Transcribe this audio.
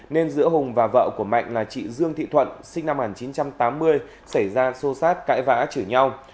nên giữa hùng và vợ của mạnh là chị dương thị thuận sinh năm một nghìn chín trăm tám mươi xảy ra xô xát cãi vã chửi nhau